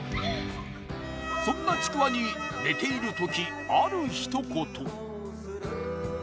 そんなちくわに寝ている時ある一言・